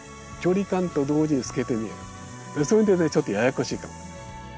それでねちょっとややこしいかも。